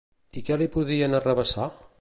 I què li podien arrabassar?